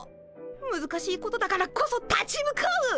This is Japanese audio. むずかしいことだからこそ立ち向かう。